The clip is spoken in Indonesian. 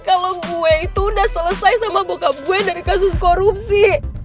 kalau gue itu udah selesai sama boka gue dari kasus korupsi